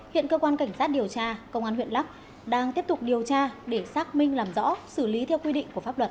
hiện cơ quan cảnh sát điều tra công an huyện lắc đang tiếp tục điều tra để xác minh làm rõ xử lý theo quy định của pháp luật